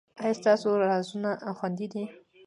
ایا ستاسو رازونه خوندي دي؟